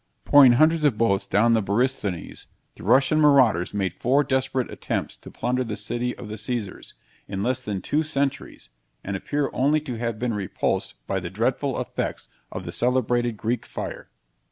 Pouring hundreds of boats down the Borysthenes, the Russian marauders made four desperate attempts to plunder the city of the Caesars, in less than two centuries, and appear only to have been repulsed by the dreadful effects of the celebrated Greek fire.